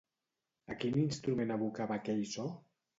A quin instrument evocava aquell so?